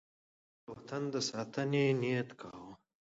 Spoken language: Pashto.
افغانان د وطن د ساتنې نیت کاوه.